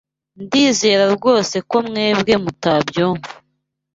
Ndizera rwose ko mwebwe mutabyumva.